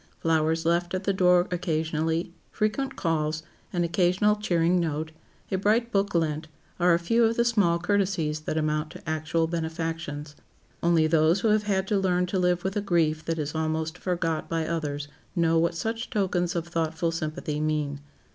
Flowers left at the door occasionally, frequent calls, an occasional cheering note, a bright book lent, are a few of the small courtesies that amount to actual benefactions. Only those who have had to learn to live with a grief that is almost forgot by others know what such tokens of thoughtful sympathy mean.